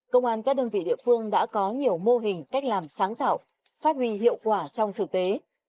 công an các đơn vị địa phương đã có nhiều mô hình cách làm sáng tạo phát huy hiệu quả trong thực tế